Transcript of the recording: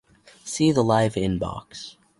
See the live inbox